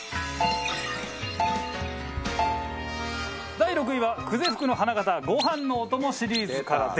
第６位は久世福の花形ご飯のお供シリーズからです。